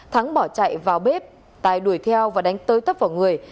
thắng bỏ chạy vào bếp tài đuổi theo và đánh tới tấp vào người